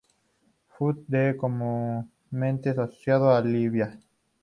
Fut es comúnmente asociado a Libia.